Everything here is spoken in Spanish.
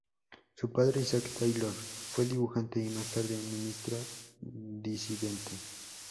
Su padre, Isaac Taylor, fue dibujante y más tarde un ministro disidente.